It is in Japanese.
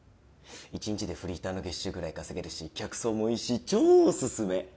一日でフリーターの月収ぐらい稼げるし客層もいいし超お勧め！